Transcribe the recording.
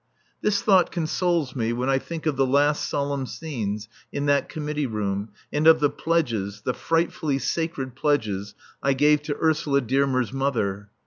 This thought consoles me when I think of the last solemn scenes in that committee room and of the pledges, the frightfully sacred pledges, I gave to Ursula Dearmer's mother.